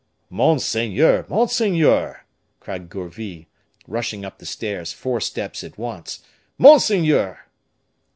"Monseigneur! Monseigneur!" cried Gourville, rushing up the stairs, four steps at once. "Monseigneur!"